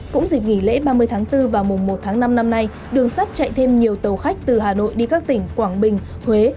cũng dịp nghỉ lễ ba mươi tháng bốn và mùa một tháng năm năm nay đường sắt chạy thêm nhiều tàu khách từ hà nội đi các tỉnh quảng bình huế